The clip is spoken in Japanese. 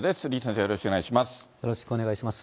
よろしくお願いします。